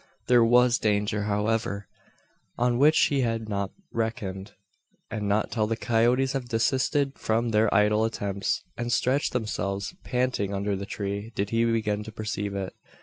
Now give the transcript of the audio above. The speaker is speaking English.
There was danger, however, on which he had not reckoned; and not till the coyotes have desisted from their idle attempts, and stretched themselves, panting, under the tree, did he begin to perceive it.